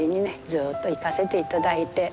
ずっと行かせていただいて。